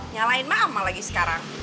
nyalain mama lagi sekarang